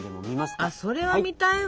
あそれは見たいわ！